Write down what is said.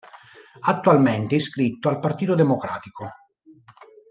Attualmente è iscritto al Partito Democratico.